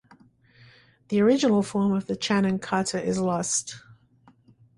The original form of the Channan kata is lost.